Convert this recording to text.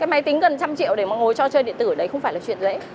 cái máy tính gần trăm triệu để mà ngồi cho chơi điện tử đấy không phải là chuyện dễ